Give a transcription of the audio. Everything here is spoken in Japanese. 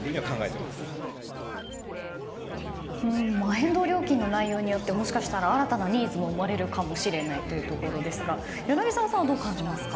変動料金の内容によってもしかしたら新たなニーズも生まれるかもしれないというところですが柳澤さんは、どう感じますか？